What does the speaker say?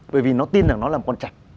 bởi vì nó tin rằng nó là một con chạch